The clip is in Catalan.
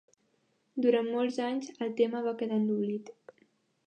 Durant molts anys el tema va quedar en l'oblit.